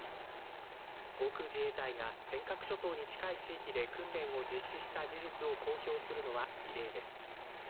航空自衛隊が尖閣諸島に近い地域で訓練を実施した事実を公表するのは異例です。